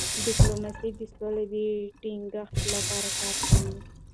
ډيپلوماسي د سولې د ټینګښت لپاره کار کوي.